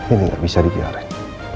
ini tidak bisa dibiarkan